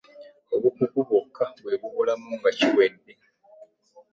Obukugu bwokka bwe bubulamu nga kiwedde.